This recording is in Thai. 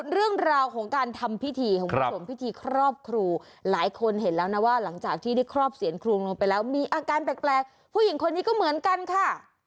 เรื่องราวของการทำพิธีของคุณผู้ชมพิธีครอบครูหลายคนเห็นแล้วนะว่าหลังจากที่ได้ครอบเสียนครูลงไปแล้วมีอาการแปลกผู้หญิงคนนี้ก็เหมือนกันค่ะ